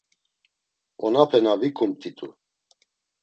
Onape na vikumt̆itu.